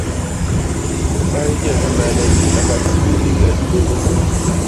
Ba nyegna le ba gatibil liñgen.